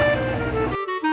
ya juga sih kak